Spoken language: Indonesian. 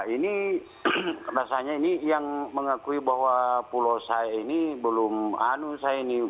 ini rasanya ini yang mengakui bahwa pulau saya ini belum anu saya ini